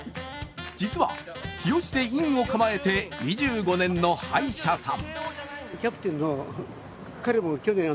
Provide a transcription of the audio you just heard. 実は、日吉で院を構えて２５年の歯医者さん。